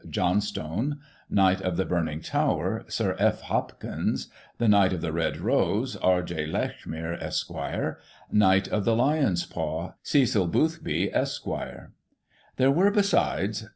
Johnstone ; Knight of the Burning Tower, SiR F. Hopkins ; The Knight of the Red Rose, R. J. Lechmere, Esq. ; Knight of the Lion's Paw, CECIL BOOTHBY, ESQ. There were, besides.